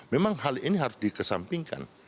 memang hal ini harus dikesampingkan